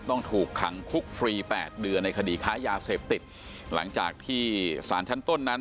ต้องถูกขังคุกฟรีแปดเดือนในคดีค้ายาเสพติดหลังจากที่สารชั้นต้นนั้น